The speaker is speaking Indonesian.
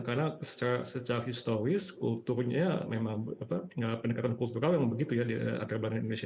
karena secara historis kulturnya memang pendekatan kultural yang begitu di antara belanda dan indonesia